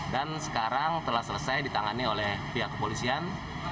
dan sekarang telah selesai ditangani oleh pihak kepolisian